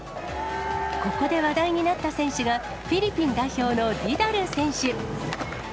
ここで話題になった選手が、フィリピン代表のディダル選手。